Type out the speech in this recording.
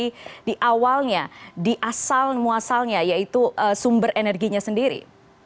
jadi di awalnya di asal muasalnya yaitu sumber energinya sendiri